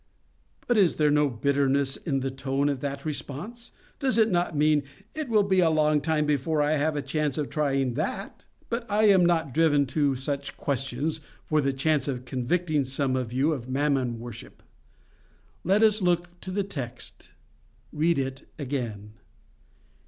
But is there no bitterness in the tone of that response? Does it not mean, 'It will be a long time before I have a chance of trying THAT?'—But I am not driven to such questions for the chance of convicting some of you of Mammon worship. Let us look to the text. Read it again.